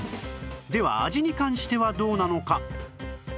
では味に関してはどうなのか